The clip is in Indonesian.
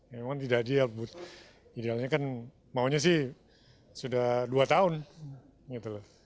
memang tidak diabut idealnya kan maunya sih sudah dua tahun gitu loh